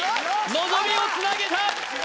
望みをつなげた！